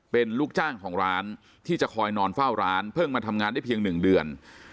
เป็นลูกจ้างของร้านที่จะคอยนอนเฝ้าร้านเพิ่งมาทำงานได้เพียง๑เดือน